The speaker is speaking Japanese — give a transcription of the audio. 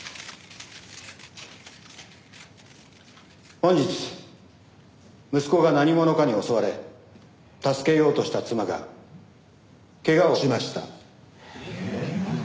本日息子が何者かに襲われ助けようとした妻が怪我をしました。